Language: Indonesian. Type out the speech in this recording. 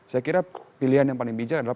saya kira pilihan yang paling bijak adalah